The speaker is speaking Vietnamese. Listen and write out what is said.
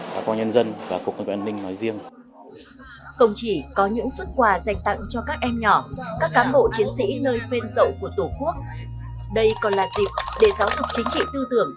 đây còn là dịp để giáo dục chính trị tư tưởng